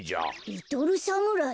リトルサムライ？